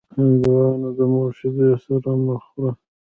هندوانه د مور شیدو سره مه خوره.